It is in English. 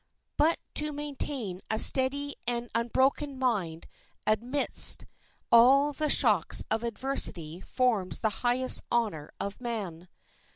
But to maintain a steady and unbroken mind amidst all the shocks of adversity forms the highest honor of man.